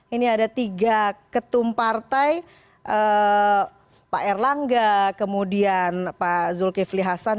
ini ada tiga ketum partai pak erlangga kemudian pak zulkifli hasan